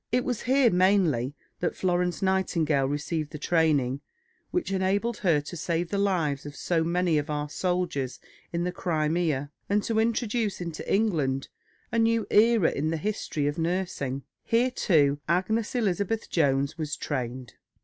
It was here, mainly, that Florence Nightingale received the training which enabled her to save the lives of so many of our soldiers in the Crimea, and to introduce into England a new era in the history of nursing. Here too Agnes Elizabeth Jones was trained.